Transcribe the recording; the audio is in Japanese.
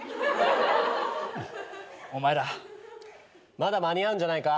まだ間に合うんじゃないか。